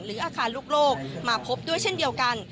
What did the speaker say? อาคารลูกโลกมาพบด้วยเช่นเดียวกัน